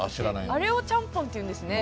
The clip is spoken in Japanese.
あれをちゃんぽんって言うんですね。